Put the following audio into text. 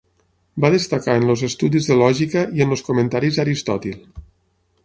Va destacar en els estudis de lògica i en els comentaris a Aristòtil.